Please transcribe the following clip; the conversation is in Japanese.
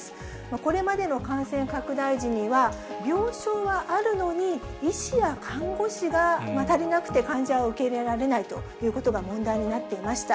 これまでの感染拡大時には、病床はあるのに医師や看護師が足りなくて、患者を受け入れられないということが問題になっていました。